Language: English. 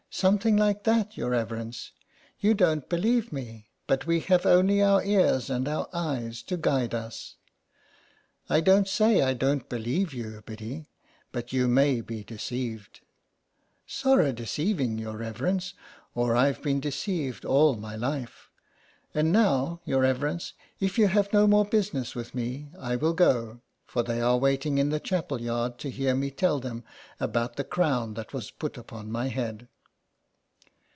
" Something like that your reverence. You don't believe me, but we have only our ears and our eyes to guide us." *' I don't say I don't believe you, Biddy, but you may be deceived." *' Sorra deceiving, your reverence, or I've been deceived all my life. And now, your reverence, if you have no more business with me I will go, for they are waiting in the chapel yard to hear me tell them about the crown that was put upon my head."